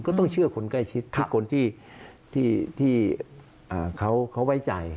ก็ต้องเชื่อคนใกล้ชิดทุกคนที่เขาไว้ใจ